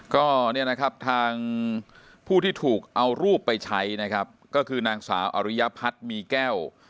ก็เนี่ยนะครับทางผู้ที่ถูกเอารูปไปใช้นะครับก็คือนางสาวอริยพัฒน์มีแก้ว